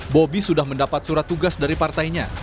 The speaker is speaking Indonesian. bobi sudah mendapat surat tugas dari partainya